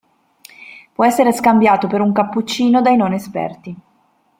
Può essere scambiato per un cappuccino dai non esperti.